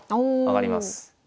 上がります。